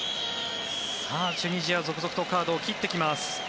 チュニジア続々とカードを切ってきます。